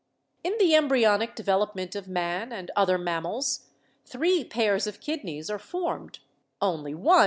In the embryonic development of man and other mam mals three pairs of kidneys are formed, only one remain Fig.